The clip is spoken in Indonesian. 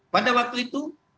pada waktu itu